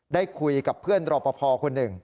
ได้คุยกับเพื่อนรอปภคนหนึ่ง